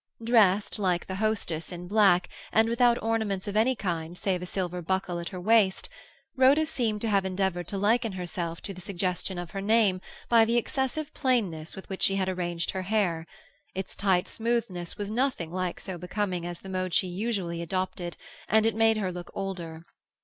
Dressed, like the hostess, in black, and without ornaments of any kind save a silver buckle at her waist, Rhoda seemed to have endeavoured to liken herself to the suggestion of her name by the excessive plainness with which she had arranged her hair; its tight smoothness was nothing like so becoming as the mode she usually adopted, and it made her look older.